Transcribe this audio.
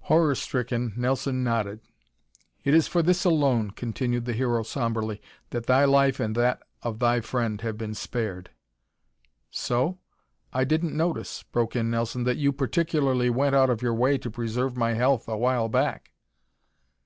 Horror stricken, Nelson nodded. "It is for this alone," continued the Hero somberly, "that thy life and that of thy friend have been spared." "So? I didn't notice," broke in Nelson, "that you particularly went out of your way to preserve my health a while back."